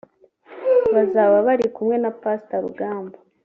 bazaba bari kumwe na Pastor Rugamba